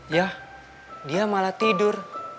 yah dia malah tidur